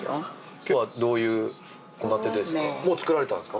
今日はどういう献立ですか？